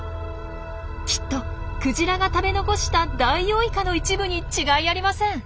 きっとクジラが食べ残したダイオウイカの一部に違いありません。